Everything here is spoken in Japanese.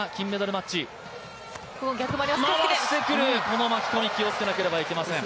回ってくる、この巻き込み、気をつけなければなりません。